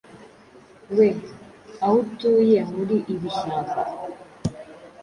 We. Aho utuye, muri iri shyamba,